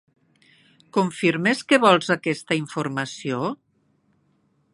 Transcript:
Confirmes que vols aquesta informació?